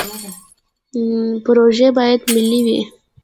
پروژې باید ملي وي